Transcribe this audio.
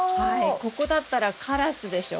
ここだったらカラスでしょ